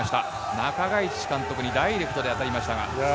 中垣内監督にダイレクトで当たりました。